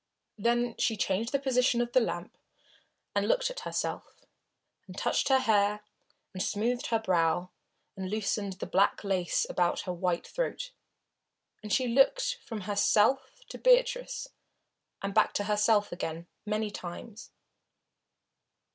Then she changed the position of the lamp and looked at herself, and touched her hair, and smoothed her brow, and loosened the black lace about her white throat. And she looked from herself to Beatrice, and back to herself again, many times.